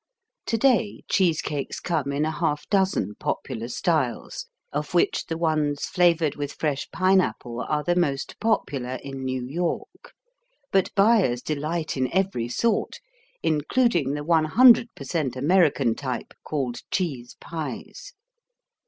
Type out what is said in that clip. Today cheese cakes come in a half dozen popular styles, of which the ones flavored with fresh pineapple are the most popular in New York. But buyers delight in every sort, including the one hundred percent American type called cheese pies.